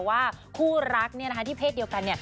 ว่าคู่รักเนี่ยนะคะที่เพศเดียวกัน